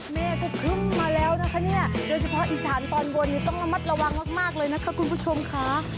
แม่ก็ขึ้นมาแล้วนะคะเนี่ยโดยเฉพาะอีสานตอนบนนี้ต้องระมัดระวังมากเลยนะคะคุณผู้ชมค่ะ